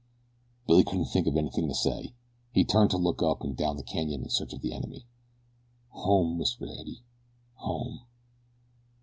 Billy couldn't think of anything to say. He turned to look up and down the canyon in search of the enemy. "Home!" whispered Eddie. "Home!"